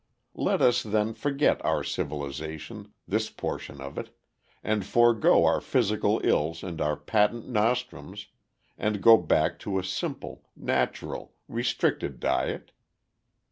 Let us, then, forget our civilization, this portion of it, and forego our physical ills and our patent nostrums, and go back to a simple, natural, restricted diet.